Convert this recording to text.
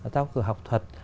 giao cửa học thuật